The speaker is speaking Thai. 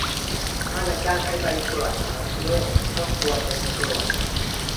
ถ้านายจ้างให้ไปตรวจหาโรคก็ควรไปตรวจ